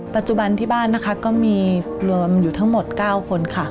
ปัจจุบันที่บ้านนะคะก็มีรวมอยู่ทั้งหมด๙คนค่ะ